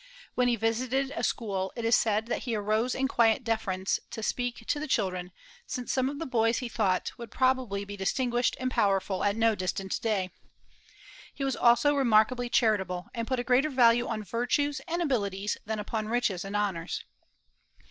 When he visited a school, it is said that he arose in quiet deference to speak to the children, since some of the boys, he thought, would probably be distinguished and powerful at no distant day. He was also remarkably charitable, and put a greater value on virtues and abilities than upon riches and honors.